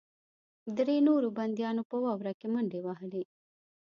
درې نورو بندیانو په واوره کې منډې وهلې